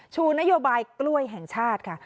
ชูนโยบายกล้วยแห่งชาติค่ะ